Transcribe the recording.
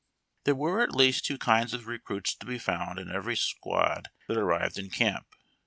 There were at least two kinds of recruits to be found in every squad that arrived in camp.